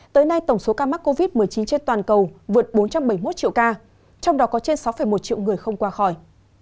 tới nay tổng số ca mắc covid một mươi chín trên toàn cầu vượt bốn trăm bảy mươi một triệu ca trong đó có trên sáu một triệu người không qua khỏi